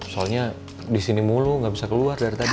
soalnya disini mulu gak bisa keluar dari tadi